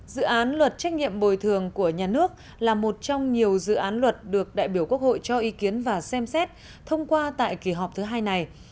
dự án luật trách nhiệm bồi thường của nhà nước là một trong nhiều dự án luật được đại biểu quốc hội cho ý kiến và xem xét thông qua tại kỳ họp thứ hai này